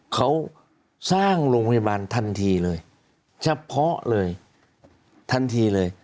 เขาสร้างโรงพยาบาลทันทีเลยเฉพาะเลยทันทีเลย